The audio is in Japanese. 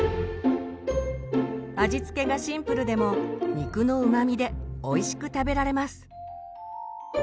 味付けがシンプルでも肉のうまみでおいしく食べられます。